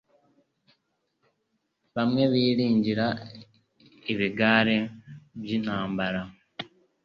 Bamwe biringira ibigare by’intambara